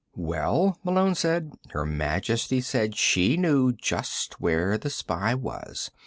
"Well," Malone said, "Her Majesty said she knew just where the spy was.